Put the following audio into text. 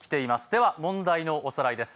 では問題のおさらいです。